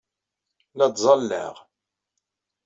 La ttẓallaɣ.